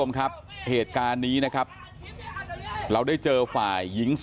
แม่ขี้หมาเนี่ยเธอดีเนี่ยเธอดีเนี่ยเธอดีเนี่ยเธอดีเนี่ย